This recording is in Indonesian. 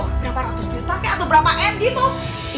berapa ratus juta kek atau berapa enti tuh